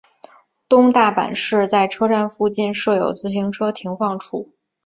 东大阪市在车站附近设有自行车停放处。